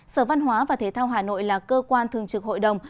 sở văn hóa và thể thao hà nội là cơ quan thường trực hội đồng